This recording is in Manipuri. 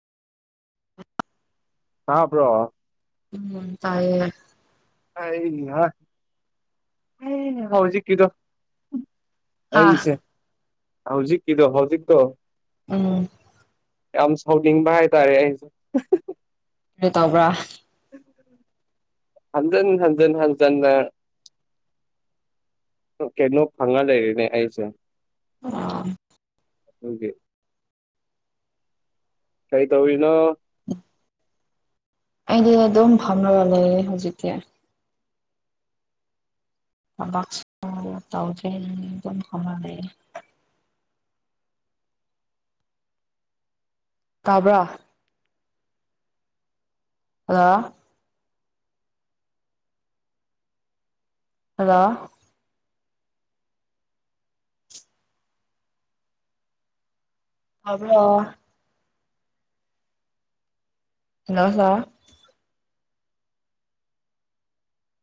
ꯇꯥꯕ꯭ꯔꯣ꯫ ꯎꯝ ꯇꯥꯏꯌꯦ꯫ ꯑꯩꯍꯥ ꯑꯩꯅꯦ ꯍꯧꯖꯤꯛꯀꯤꯗꯣ꯫ ꯍꯥ ꯑꯩꯁꯦ ꯍꯧꯖꯤꯛꯀꯤꯗꯣ ꯍꯧꯖꯤꯛꯇꯣ꯫ ꯎꯝ꯫ ꯌꯥꯝ ꯁꯥꯎꯅꯤꯡꯕ ꯍꯥꯏꯇꯥꯔꯦ ꯑꯩꯁꯦ꯫ ꯀ꯭ꯔꯤ ꯇꯧꯕ꯭ꯔꯥ꯫ ꯍꯟꯖꯟ ꯍꯟꯖꯟ ꯍꯟꯖꯟꯅ꯫ ꯀꯩꯅꯣ ꯐꯪꯉ ꯂꯩꯔꯦꯅꯦ ꯑꯩꯁꯦ꯫ ꯑꯥꯥ꯫ ꯍꯧꯗꯦ꯫ ꯀꯩ ꯇꯧꯔꯤꯅꯣ꯫ [inaudible] ꯑꯩꯗꯤ ꯑꯗꯨꯝ ꯐꯝꯃꯒ ꯂꯩꯌꯦ ꯍꯧꯖꯤꯛꯇꯤ꯫ ꯊꯕꯛꯁꯨ ꯇꯧꯗꯦ ꯎꯝ ꯑꯗꯨꯝ ꯐꯝꯃꯒ ꯂꯩꯌꯦ꯫ ꯇꯥꯕ꯭ꯔꯥ꯫ ꯍꯜꯂꯣ꯫ ꯍꯜꯂꯣ꯫ ꯇꯥꯕ꯭ꯔꯣ꯫ Hello hello.